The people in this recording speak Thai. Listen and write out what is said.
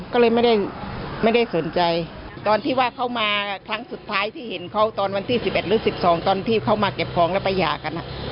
ก็เลยไม่ได้สนใจตอนที่ว่าเขามาครั้งสุดท้ายที่เห็นเขาตอนวันที่๑๑หรือ๑๒ตอนที่เขามาเก็บของแล้วไปหย่ากัน